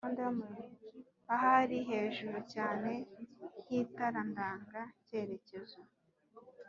Ahari hejuru cyane y'itara ndanga cyerekezo